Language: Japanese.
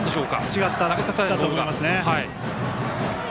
違ったんだと思います。